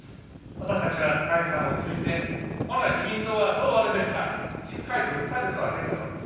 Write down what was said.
私たちは高市さんを通じて本来の自民党はどうあるべきかしっかりと訴えることができたと思います。